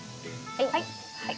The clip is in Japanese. はい。